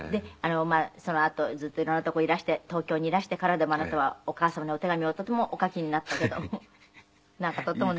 そのあとずっと色んな所いらして東京にいらしてからでもあなたはお母様にお手紙をとてもお書きになったけどなんかとっても。